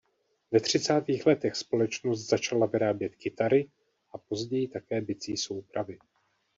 Ve třicátých letech společnost začala vyrábět kytary a později také bicí soupravy.